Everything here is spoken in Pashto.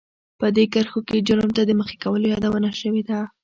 په دې کرښو کې جرم ته د مخې کولو يادونه شوې ده.